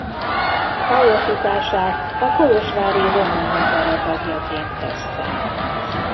Pályafutását a kolozsvári Román Opera tagjaként kezdte.